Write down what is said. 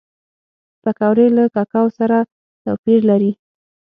پکورې له کوکو سره توپیر لري